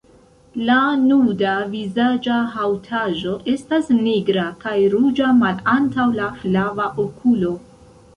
La nuda vizaĝa haŭtaĵo estas nigra, kaj ruĝa malantaŭ la flava okulo.